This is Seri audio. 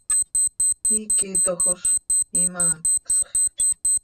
Iiqui tojoz, imaacsx.